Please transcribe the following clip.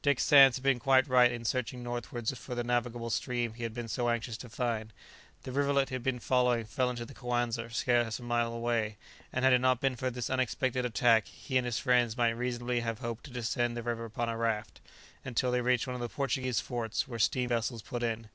Dick Sands had been quite right in searching northwards for the navigable stream he had been so anxious to find; the rivulet he had been following fell into the Coanza scarce a mile away, and had it not been for this unexpected attack he and his friends might reasonably have hoped to descend the river upon a raft, until they reached one of the Portuguese forts where steam vessels put in.